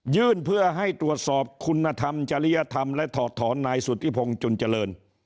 เพื่อให้ตรวจสอบคุณธรรมจริยธรรมและถอดถอนนายสุธิพงศ์จุนเจริญ